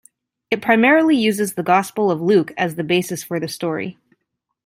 It primarily uses the Gospel of Luke as the basis for the story.